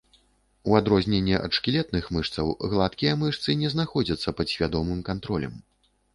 У адрозненне ад шкілетных мышцаў, гладкія мышцы не знаходзяцца пад свядомым кантролем.